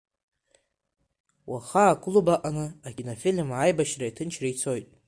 Уаха аклуб аҟны акинофильм Аибашьреи аҭынчреи цоит.